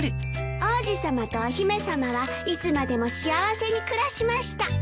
「王子さまとお姫さまはいつまでも幸せに暮らしました」